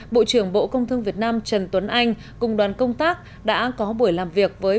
bộ trưởng bộ công thương việt nam trần tuấn anh cùng đoàn công tác đã có buổi làm việc với